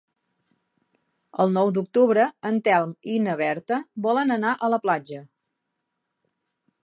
El nou d'octubre en Telm i na Berta volen anar a la platja.